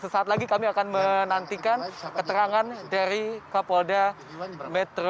sesaat lagi kami akan menantikan keterangan dari kapolda metro